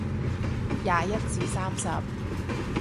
廿一至三十